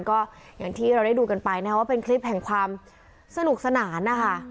ก็อย่างที่เราได้ดูกันไปนะว่าเป็นคลิปแห่งความสนุกสนานนะคะ